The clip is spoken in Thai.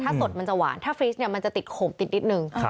ถ้าสดมันจะหวานถ้าฟีสเนี่ยมันจะติดโขมติดนิดนึง